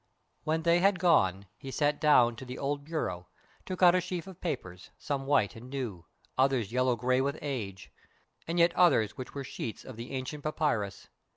When they had gone he sat down to the old bureau, took out a sheaf of papers, some white and new, others yellow grey with age, and yet others which were sheets of the ancient papyrus.